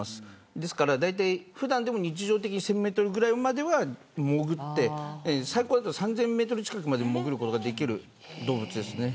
ですから普段でも、日常的に１０００メートルぐらいまで潜って最高だと３０００メートル近くまで潜ることができる動物です。